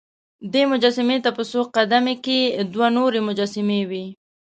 دې مجسمې ته په څو قد مې کې دوه نورې مجسمې وې.